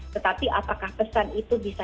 tetapi apakah pesan itu bisa